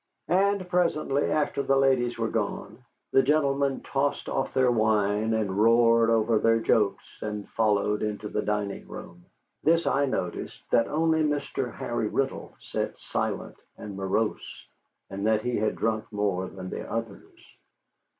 And presently, after the ladies were gone, the gentlemen tossed off their wine and roared over their jokes, and followed into the drawing room. This I noticed, that only Mr. Harry Riddle sat silent and morose, and that he had drunk more than the others.